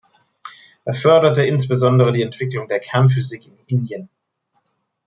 Er förderte insbesondere die Entwicklung der Kernphysik in Indien.